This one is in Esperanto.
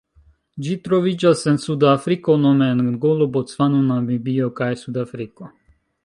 Ĝi troviĝas en Suda Afriko nome en Angolo, Bocvano, Namibio kaj Sudafriko.